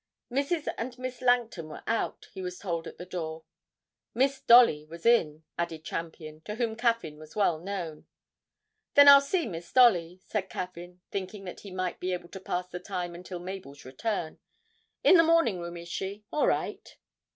Mrs. and Miss Langton were out, he was told at the door. 'Miss Dolly was in,' added Champion, to whom Caffyn was well known. 'Then I'll see Miss Dolly,' said Caffyn, thinking that he might be able to pass the time until Mabel's return. 'In the morning room is she? All right.'